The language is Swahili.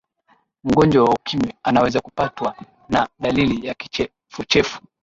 mgonjwa wa ukimwi anaweza kupatwa na dalili ya kichefuchefu